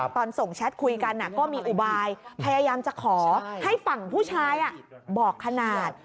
ตอนส่งแชทคุยกันก็มีอุบายพยายามจะขอให้ฝั่งผู้ชายบอกขนาด